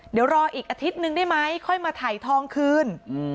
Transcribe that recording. เดี๋ยวรออีกอาทิตย์นึงได้ไหมค่อยมาถ่ายทองคืน